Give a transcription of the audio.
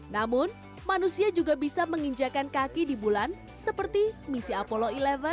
namun manusia juga bisa menginjakan kaki di bulan seperti misi apollo sebelas